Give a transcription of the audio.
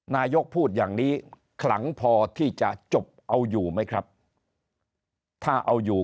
นายกพูดอย่างนี้ขลังพอที่จะจบเอาอยู่ไหมครับถ้าเอาอยู่